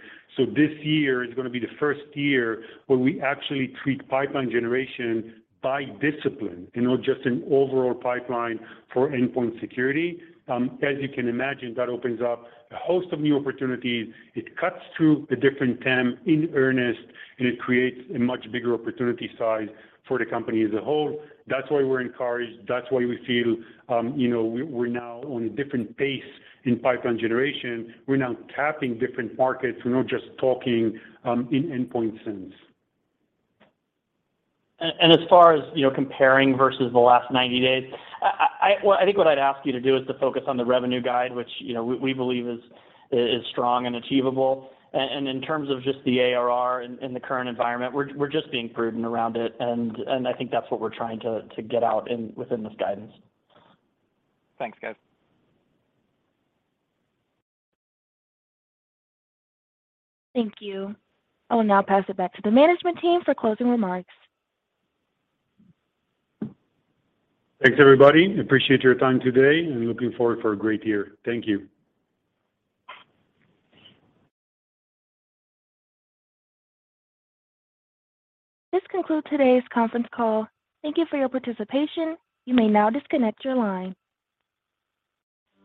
This year is gonna be the first year where we actually treat pipeline generation by discipline and not just an overall pipeline for endpoint security. As you can imagine, that opens up a host of new opportunities. It cuts through a different TAM in earnest, and it creates a much bigger opportunity size for the company as a whole. That's why we're encouraged. That's why we feel, you know, we're now on a different pace in pipeline generation. We're now tapping different markets. We're not just talking, in endpoint sense. As far as, you know, comparing versus the last 90 days, I, well, I think what I'd ask you to do is to focus on the revenue guide, which, you know, we believe is strong and achievable. In terms of just the ARR in the current environment, we're just being prudent around it. I think that's what we're trying to get out in, within this guidance. Thanks, guys. Thank you. I will now pass it back to the management team for closing remarks. Thanks, everybody. Appreciate your time today, and looking forward for a great year. Thank you. This concludes today's conference call. Thank you for your participation. You may now disconnect your line.